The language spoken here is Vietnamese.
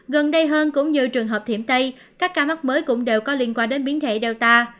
gần đây hơn cũng như trường hợp thiểm tây các ca mắc mới cũng đều có liên quan đến biến thể data